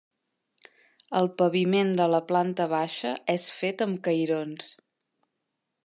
El paviment de la planta baixa és fet amb cairons.